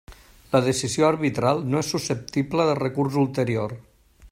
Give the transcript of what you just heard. La decisió arbitral no és susceptible de recurs ulterior.